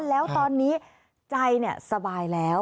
แล้วตอนนี้ใจสบายแล้ว